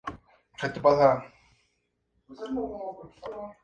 Y será en este arte donde desarrolle su investigación hasta la actualidad.